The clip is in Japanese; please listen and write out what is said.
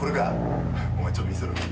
お前ちょっと見せろよ。